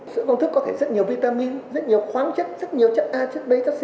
sữa công thức có thể rất nhiều vitamin rất nhiều khoáng chất rất nhiều chất a chất b chất c